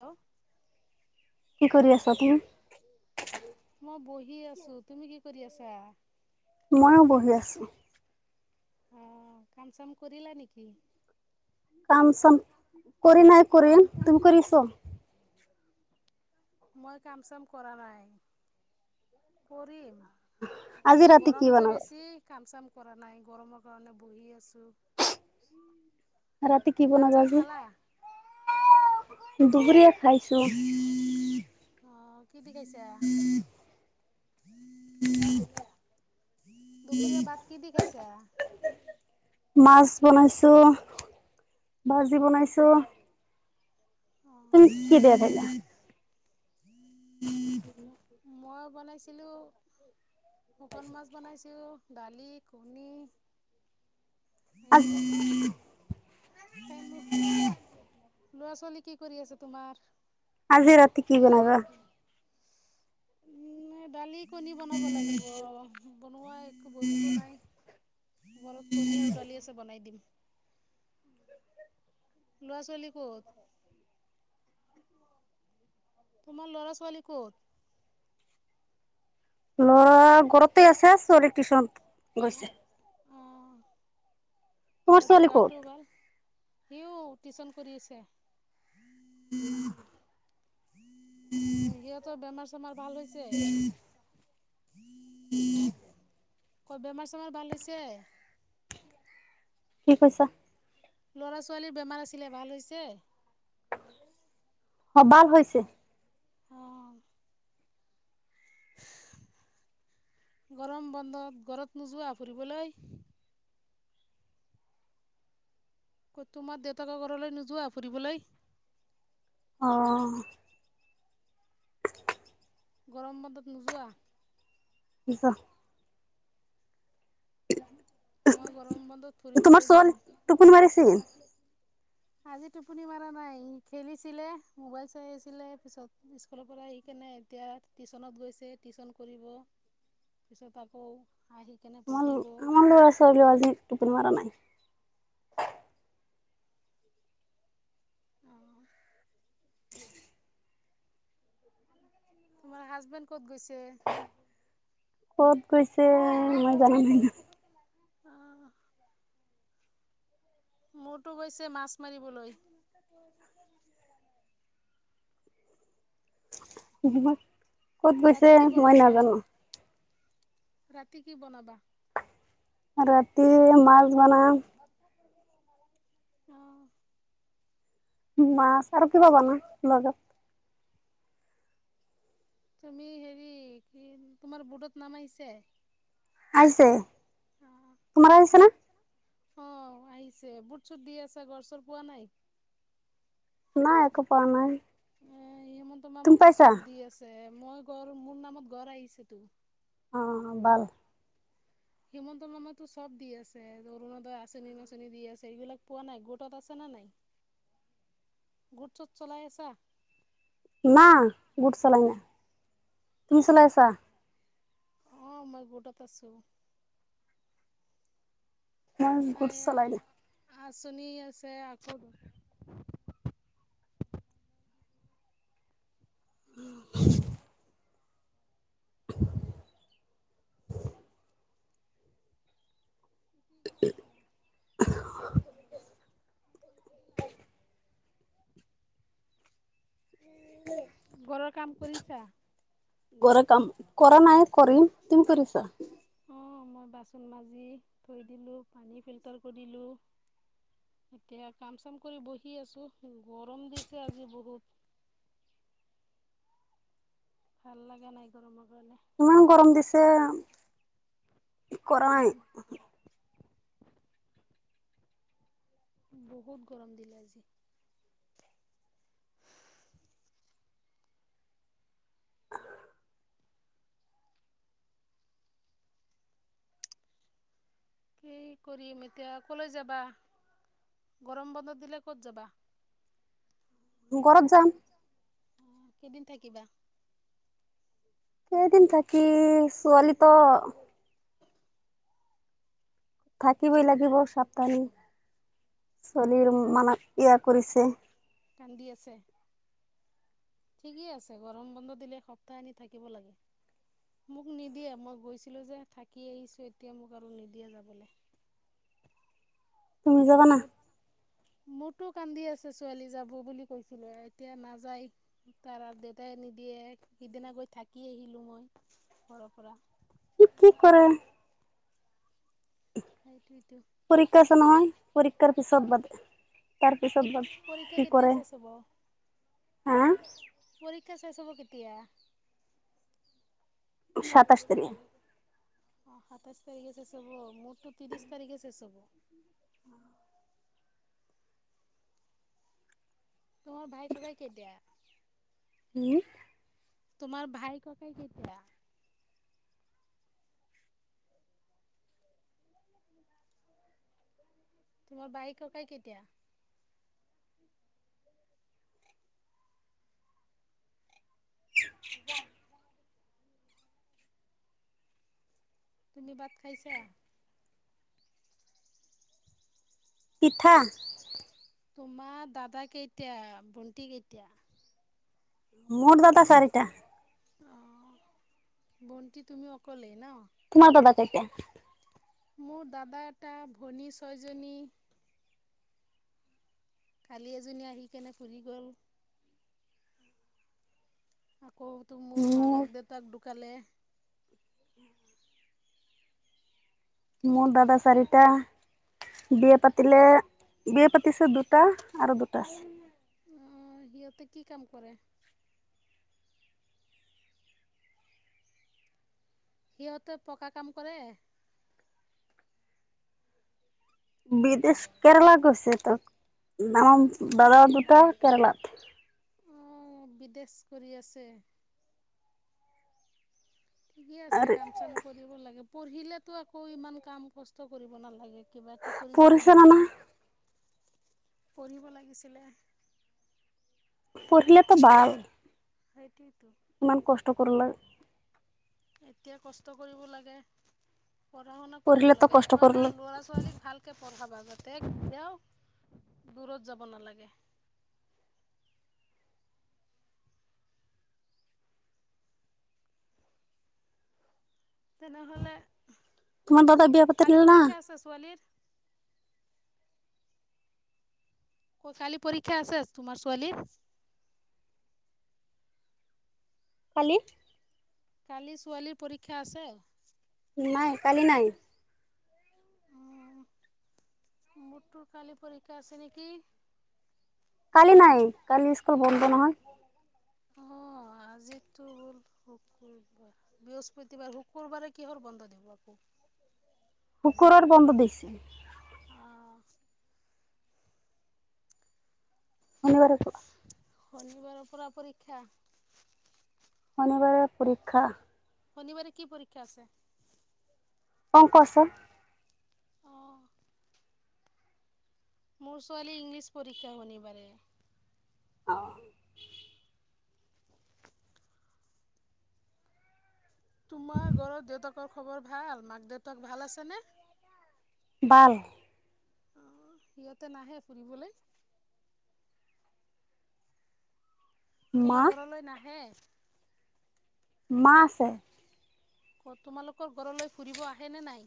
Hello কি কৰি আছা তুমি? মই বহি আছো। তুমি কি কৰি আছা? মইয়ো বহি আছো। অ, কাম-চাম কৰিলা নেকি? কাম চাম কৰি নাই কৰিম, তুমি কৰিছ? মই কাম-চাম কৰা নাই, কৰিম। আজি ৰাতি কি গৰম যে বনাবা? বেছি কাম-চাম কৰা নাই। গৰমৰ কাৰণে বহি আছোঁ। ৰাতি কি ভাত বনাব চাত আজি? খালা দুবৰীয়া খাইছোঁ। অহ। কি দি খাইছা? দুপৰীয়া বাত কি দি খাইছা? মাছ বনাইছো, ভাজি বনাইছো। তুম অঁ [unintelligible] মই বনাইছিলোঁ শুকান মাছ বনাইছিলো, দালি, ঘুগনি। এইবিলাক দি খাইলো। ল'ৰা-ছোৱালী কি কৰি আছে তোমাৰ? আজি ৰাতি কি বনাবা? উ দালি, কণী বনাব লাগিব। বনোৱা একো বস্তু নাই। ঘৰত কণী আৰু দালি আছে বনাই দিম। ল'ৰা-ছোৱালী ক'ত? তোমাৰ ল'ৰা-ছোৱালী কত? ল'ৰা ঘৰতে আছে, ছোৱালী টিউচন গৈছে। অঁ তোমাৰ সিহঁতৰ ছোৱালী ক'ত? গাতটো ভাল। সিও টিউচন কৰি আছে। [inaudible] উম, সিহঁতৰ বেমাৰ-চেমাৰ ভাল হৈছে? [inaudible] ক বেমাৰ-চেমাৰ ভাল হৈছে? কি কৈছা? লৰা-ছোৱালীৰ বেমাৰ আছিলে, ভাল হৈছে? অ, বাল হৈছে। অঁ। [inaudible] গৰম বন্ধত ঘৰত নোযোৱা ফুৰিবলৈ? ক'ত তোমাৰ দেউতাকৰ ঘৰলৈ নোযোৱা ফুৰিবলৈ? অ গৰম বন্ধত নোযোৱা? নোযোৱা? [inaudible] মই গৰম বন্ধত তোমাৰ ফুৰিবলৈ ছোৱালী যাম। টোপনি মাৰিছে? আজি টোপনি মাৰা নাই খেলিছিলে মোবাইল চাইছিলে পিছত স্কুলৰ পৰা এতিয়া টিউশচনত গৈছে টিউশচন কৰিব পিছত আকৌ আহ আমাৰ ল'ৰা ছোৱালী আজি টোপনি মাৰা নাই। আহ। উ তোমাৰ হাজবেণ্ড ক'ত গৈছে? ক'ত গৈছে মই জনাম আহ মোৰতো গৈছে মাছ মাৰিবলৈ, মান কত গৈছে ৰাতি কি মই বনাবা নাজানো? ৰাতি কি বনাবা? ৰাতি মাছ বনাম। আহ মাছ আৰু কিবা বনাম লগত। তুমি হেৰি কি তোমাৰ বুৰ্ডত নাম আহিছে? আহিছে অ', তোমাৰ বুট আহিছেনে? অ আহিছে ভোট চুট দি আছা ঘৰ চৰ পোৱা নাই? নাই একো পোৱা নাই এ হিমন্ত তুমি মামাতো পাইছা? চব দি আছে মই ঘৰ মোৰ নামত ঘৰ আহিছে তো। অ ভাল। হিমন্ত মামাটো চব দি আছে অৰুণোদয় আচনি নাচনি দি আছে এইবিলাক পোৱা নাই গোটত আছে ন? গোট চট চলাই আছা? ন গোট চলাই না তুমি চলাই আছা? অ মই গোটত আছো। মই গোট চলাই দিওঁ। আঁচনি আছে আকৌ উ ঘৰৰ কাম কৰিছা? ঘৰত কাম কৰা নাই কৰিম তুমি কৰিছা? অঁ মই বাচন মাজি থৈ দিলোঁ পানী ফিল্টাৰ কৰিলোঁ। এতিয়া কাম চাম কৰি বহি আছো গৰম দিছে আজি বহুত, [unintelligible] ভাল লগা নাই গৰমত। ইমান গৰম দিছে উম কৰাই বহুত গৰম দিলে আজি‌। কি কৰিম এতিয়া কলৈ যাবা। গৰম বন্ধ দিলে ক'ত যাবা? ঘৰত যাম। আহ কেইদিন থাকিবা? কেইদিন থাকি ছোৱালীটো। থাকিবই লাগিব সাবধানী ছোৱালীৰ এক মানে ইয়াত, কৰিছে। কান্দি আছে। ঠিকেই আছে গৰম বন্ধ দিলে সপ্তাহ আনি থাকিব লাগে। মোক নিদিয়ে মই গৈছিলো যে থাকি আহিছো এতিয়া মোক আৰু নিদিয়ে যাবলৈ, [inaudible] তুমি যাবানা মোৰ। মোৰতো কান্দি আছে ছোৱালী যাব বুলি কৈছিলো এতিয়া নাযায় তাৰ দেউতাই নিদ দিয়ে সিদনাকৈ থাকি আহিলোঁ মই ঘৰৰ পৰা। কি কৰে। সততো। পৰীক্ষাছে নহয় পৰীক্ষাৰ পিছত বাদ। তাৰপিছত পৰীক্ষা বত কেতিয়া কৰেৰে শেষ হ'ব হা। [inaudible] সাতাশ তাৰিখ। অ সাতাইশ তাৰিখে শেষ হব মোৰতটো তি্ৰশ তাৰিখে শেষ হব। [unintelligible] ত ভাই খকাই কেতিয়া হো তোমাৰ ভাই ককাই কেতিয়া তোমাৰ বাইক ককাই কেতিয়া। [unintelligible] তুমি ভাত খাইছা? পিঠা। তোমাৰ দাদা কেইতিয়া ভণ্টি কেইতিয়া? মোৰ দাদা চাৰিটা। অ ভন্টি তুমি অকলেই ন তোমাৰ বাবা কেইতা? মোৰ দাদা এটা ভনী ছয়জনী কালি এজনী আহি কেনে ফুৰি গ'ল আকৌ তো মোৰ মাক দেউতাক ঢুকালে মোৰ দাদা চাৰিটা। বিয়ে পাতিলে বিয়ে পাতিছ দুটা আৰু দুটা। অ সিতে কি কাম কৰে? সিহঁতে পকা কাম কৰে? বিদেশ কেৰেলা গৈছে তক নাম দাদা দুটা কেৰেলাত অঁ বিদেশ কৰি আছে। ঠিকে আছে আৰু কাম চাম কৰিব লাগে পঢ়িলেতো আকৌ ইমান কাম কষ্ট কৰিব নালাগে। কিবা এটা কৰি পঢ়িছে চলিব না না পাৰে। পিব লাগিছিলে পঢ়িলটো ভাল। সেইটতো ইমান কষ্ট কৰিলে। এতিয়া কষ্ট কৰিব লাগে। পঢ়া শুনা কৰিব লাগে এইকাৰণে ল'ৰা ছোৱালীক ভালকে পঢ়াবা। মাতে কেতিয়াও দূৰত যাব নালাগে। তেনেহলে। তোমাৰ দাদা বিয়া কালি পাতেলে না? পৰীক্ষা আছে ছোৱালীৰ ক কালি পৰীক্ষা আছে তোমাৰ ছোৱালীৰ পালী। কালি ছোৱালীৰ পৰীক্ষা আছে? নাই কালি নাই। উ মুৰ কালি পৰীক্ষা আছে নেকি? কালি নাই কালি স্কুল বন্ধ নহয়। অ। আজিটো হ'ল শুকুৰবাৰ বৃহস্পতিবাৰ শুকুৰবাৰে কিহৰ বন্ধ দিব আকৌ? শুকুৰৰ বন্ধ দিছে নেকি? অ', শনিবাৰে খোলা। শনিবাৰৰ পৰা পৰীক্ষা। শনিবাৰে পৰীক্ষা। শনিবাৰে কি পৰীক্ষা আছে? অংক আছে। অঁ মোৰ ছোৱালী ইংলিছ পৰীক্ষা শনিবাৰে। অ। তোমাৰ ঘৰত দেউতাকৰ খবৰ ভাল মাক দেউতাক ভাল আছেনে? [inaudible] আহ সিহঁতে নাহে ফুৰিবলৈ। মা তোমাৰ ঘৰলৈ নাহে। মা আছে। অ তোমালোকৰ ঘৰলৈ ফুৰিব আহে নে নাই?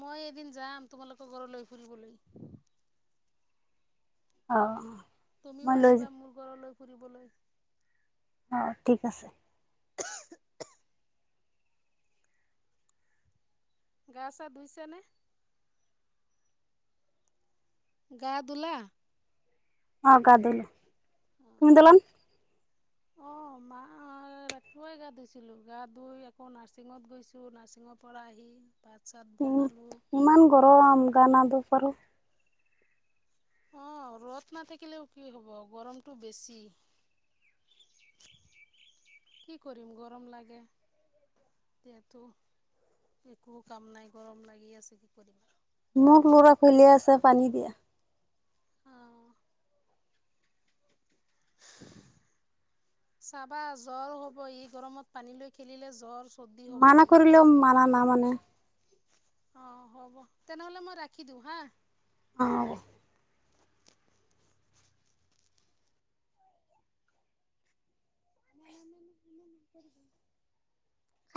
মই এদিন যাম তোমালোকৰ ঘৰ লৈ ফুৰিবলৈ। অ। মই তুমিও লৈ আহিবা মোৰ ঘৰলৈ ফুৰিবলৈ। অ ঠিক আছে। গা ছা ধুইছে নে। গা ধূলা। অ গা ধুলো তুমি ধুলানে। অ মাত। ৰাতিপুৱাই গা ধুইছিলোঁ গা ধুই আকৌ নাৰ্ছিঙত গৈছোঁ নাৰ্ছিঙৰ পৰা আহি প- ইমান গৰম গা না ধুবই পাৰোঁ। অ ৰ'দ নাথাকিলেও কি হ'ব গৰমটো বেছি। কি কৰিম গৰম লাগে। এতিয়াতো একো কাম নাই গৰম লাগি আছে কি কৰিম আৰু। মোক ল'ৰা খুলি আছে পানী দিয়া অঁ [inaudible] চাবা জ্বৰ হ'ব ই গৰমত পানী লৈ খেলিলে জ্বৰ- চৰ্দি হ'ব মানা কৰিলেও মানা না মানে অ হ'ব তেনেহ'লে মই ৰাখি দিওঁ হা। অহ। [inaudible]